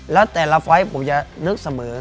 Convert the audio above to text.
แล้วแต่ละไฟล์ผมจะนึกเสมอ